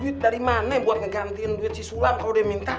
duit dari mana buat ngegantiin duit si sulam kalo dia minta